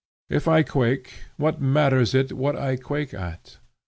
If I quake, what matters it what I quake at?